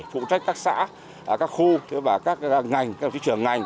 phụ trách các xã các khu các ngành các trường ngành